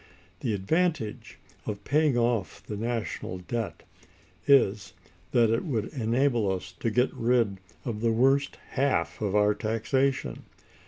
The advantage of paying off the national debt is, that it would enable us to get rid of the worst half of our taxation.